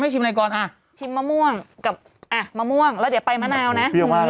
ชิมอะไรก่อนอ่ะชิมมะม่วงกับอ่ะมะม่วงแล้วเดี๋ยวไปมะนาวนะ